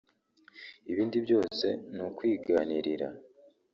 ibindi byose ni ukwiganirira